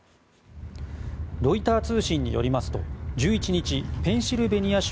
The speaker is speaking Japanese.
ロイター通信によりますと１１日ペンシルベニア州